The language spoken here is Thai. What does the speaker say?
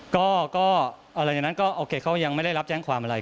ก็หลังจากนั้นก็โอเคเขายังไม่ได้รับแจ้งความอะไร